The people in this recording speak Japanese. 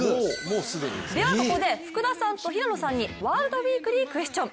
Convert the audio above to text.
ここで福田さんと平野さんにワールドウィークリークエスチョン。